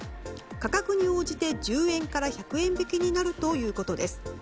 価格に応じて１０円から１００円引きになるということです。